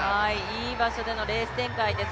いい場所でのレース展開です。